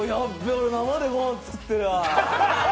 俺、生でご飯作ってるわ。